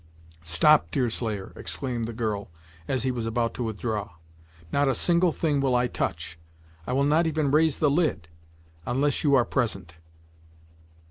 "Stop, Deerslayer," exclaimed the girl, as he was about to withdraw. "Not a single thing will I touch I will not even raise the lid unless you are present.